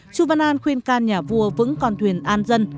chu văn an khuyên can nhà vua vững con thuyền an dân